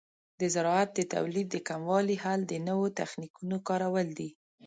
د زراعت د تولید د کموالي حل د نوو تخنیکونو کارول دي.